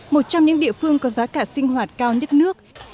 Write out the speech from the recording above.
một trong những địa phương có giá cả sinh hoạt cao nhất nước